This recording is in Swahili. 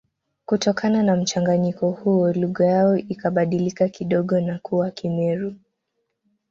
Kutokana na mchanganyiko huo lugha yao ikabadilika kidogo na kuwa Kimeru